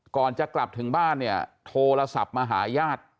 ก่อนจะกลับถึงบ้านเนี่ยโทรศัพท์มาหาญาติ